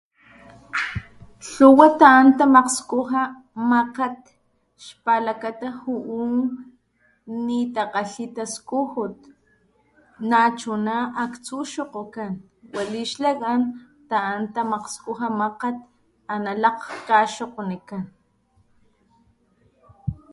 Lhuwa ta´an tamakgskuja makgat xpalakata ju´u nitakgalhi taskujut nachuna aktsu xokgokan wali xlakan ta´an tamakgskuja makgat ana lakgkgaxokginikan.